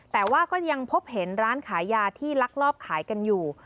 แต่ว่าก็ยังพบเห็นร้านขายยาที่ลักลอบขายกันอยู่